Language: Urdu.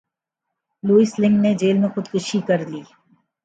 لوئیس لنگ نے جیل میں خود کشی کر لی